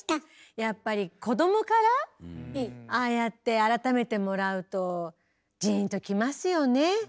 やっぱり子供からああやって改めてもらうとじんときますよね。